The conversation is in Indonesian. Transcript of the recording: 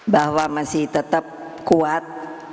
bahwa masih tetap kuat